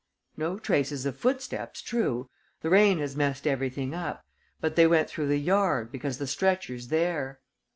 "No traces of footsteps, true. The rain has messed everything up. But they went through the yard, because the stretcher's there."